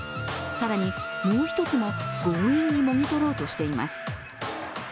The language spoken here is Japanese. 更に、もう１つも強引にもぎ取ろうとしています。